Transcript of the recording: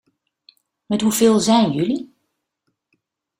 Moet hoeveel zijn jullie?